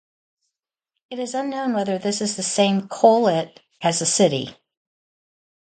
It is unknown whether this is the same Kohlit as the city.